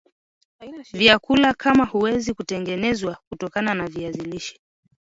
vyakula kama huweza kutengenezw kutokana na viazi lishe